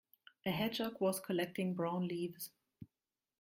A hedgehog was collecting brown leaves.